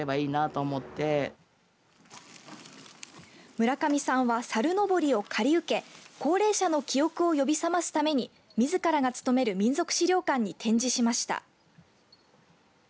村上さんは猿のぼりを借り受け高齢者の記憶を呼び覚ますためにみずからが勤める民俗資料館に展示しました。